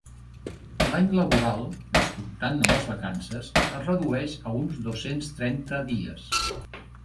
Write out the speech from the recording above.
L'any laboral, descomptant-ne les vacances, es redueix a uns dos-cents trenta dies.